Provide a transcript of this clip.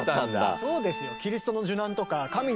そうですよ。